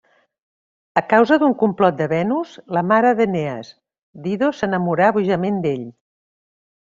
A causa d'un complot de Venus, la mare d'Enees, Dido s'enamora bojament d'ell.